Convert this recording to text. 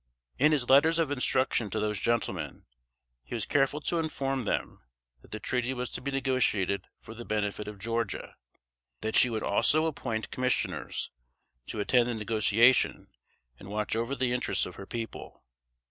In his letters of instruction to those gentlemen, he was careful to inform them that the treaty was to be negotiated for the benefit of Georgia; that she would also appoint commissioners to attend the negotiation, and watch over the interests of her people.